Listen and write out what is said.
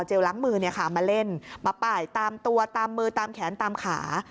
เจลล้ำมือเนี่ยค่ะมาเล่นมาป่ายตามตัวตามมือตามแขนตามขา